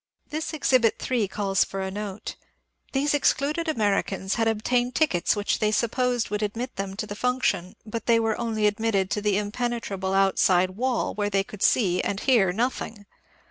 This exhibit 3 calls for a note. These excluded Americans had obtained tickets which they supposed would admit them to the function, but they were only admitted to the impene trable outside wall where they could see and hear nothing.